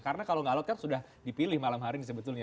karena kalau nggak alok kan sudah dipilih malam hari ini sebetulnya